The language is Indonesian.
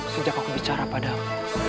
sejak aku bicara padamu